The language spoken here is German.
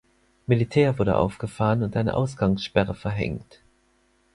Militär wurde aufgefahren und eine Ausgangssperre verhängt.